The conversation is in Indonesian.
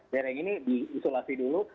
daerah ini diisolasi dulu